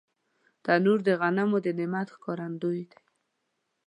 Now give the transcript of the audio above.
تنور د غنمو د نعمت ښکارندوی دی